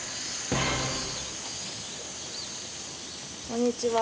こんにちは。